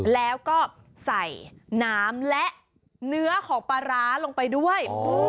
แล้วก็ใส่น้ำและเนื้อของปลาร้าลงไปด้วย